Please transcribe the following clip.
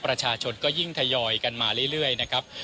ประชาชนก็ยิ่งทยอยกันมาเรื่อยนะครับ